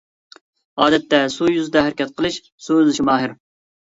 ئادەتتە سۇ يۈزىدە ھەرىكەت قىلىش، سۇ ئۈزۈشكە ماھىر.